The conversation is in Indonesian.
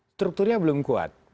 strukturnya belum kuat